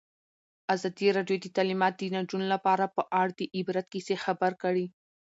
ازادي راډیو د تعلیمات د نجونو لپاره په اړه د عبرت کیسې خبر کړي.